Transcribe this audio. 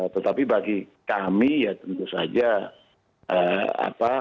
tetapi bagi kami ya tentu saja